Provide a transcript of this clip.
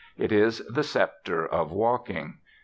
It is the sceptre of walking.